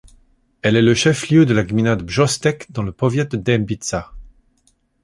Elle est le chef-lieu de la gmina de Brzostek, dans le powiat de Dębica.